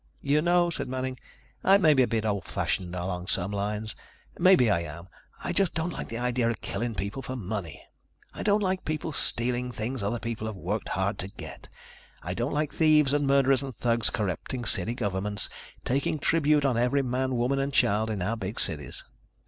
"You know," said Manning, "I may be a bit old fashioned along some lines. Maybe I am. I just don't like the idea of killing people for money. I don't like people stealing things other people have worked hard to get. I don't like thieves and murderers and thugs corrupting city governments, taking tribute on every man, woman and child in our big cities."